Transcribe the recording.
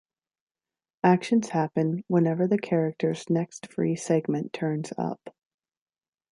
Actions happen whenever the character's next free segment turns up.